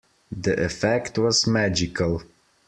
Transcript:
The effect was magical.